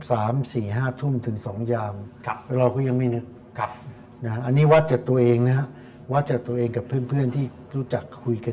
สามสี่ห้าทุ่นถึงสองยามเราก็ยังไม่นึกอันนี้วัดจากตัวเองกับเพื่อนที่รู้จักคุยกัน